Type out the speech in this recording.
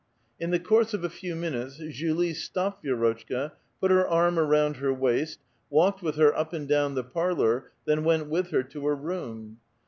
In the course of a few minutes Julie sto[)ped Vi6rotchka, put her arm around her waist, walked with her up and down the ])arlor, then went with her to her room.